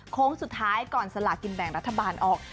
โค้งสุดท้ายก่อนสลากินแบ่งรัฐบาลออก